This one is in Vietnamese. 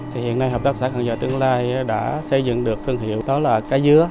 thì hiện nay hợp tác xã cần giờ tương lai đã xây dựng được thương hiệu đó là cá dứa